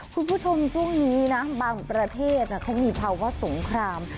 คุณผู้ชมช่วงนี้นะบางประเทศเขามีภาวะสงคราม